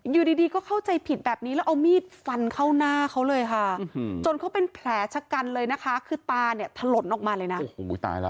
อยู่ดีก็เข้าใจผิดแบบนี้แล้วเอามีดฟันเข้าหน้าเขาเลยค่ะจนเขาเป็นแผลชะกันเลยนะคะคือตาเนี่ยถล่นออกมาเลยนะโอ้โหตายแล้ว